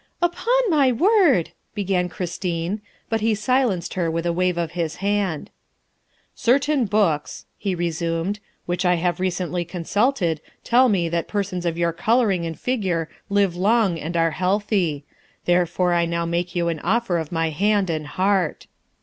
' Upon my word!" began Christine, but he silenced her with a wave of his hand. " Certain books," he resumed, " which I have re cently consulted tell me that persons of your coloring and figure live long and are healthy. Therefore I now make you an offer of my hand and heart."